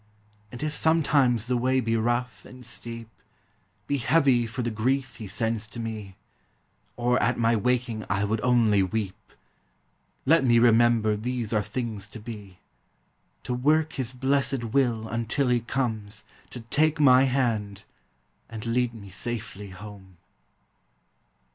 And if sometimes the way be rough and steep, Be heavy for the grief he sends to me, Or at my waking I would only weep, Let me remember these are things to be, To work his blessed will until he comes To take my hand, and lead me safely home.